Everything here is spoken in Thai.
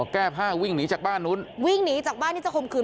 แก้ผ้าวิ่งหนีจากบ้านนู้นวิ่งหนีจากบ้านที่จะคมคืน